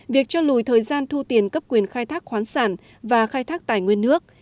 việc cho lùi thời gian thu tiền cấp quyền khai thác khoán sản và khai thác tài nguyên nước